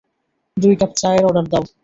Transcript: দুই কাপ চায়ের অর্ডার দাও।